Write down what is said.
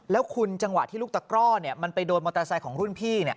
แล้วคุณจังหวะที่ลูกตะกร่อมันไปโดนมอเตอร์ไซค์ของรุ่นพี่